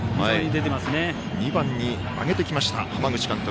２番に上げてきました、浜口監督。